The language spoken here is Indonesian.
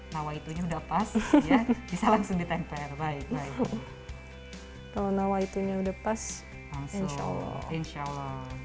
nawaitunya udah pas ya bisa langsung ditempel baik baik kalau nawaitunya udah pas langsung insya allah